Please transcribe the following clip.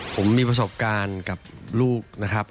ผมมีประสบการณ์กับลูกนะครับ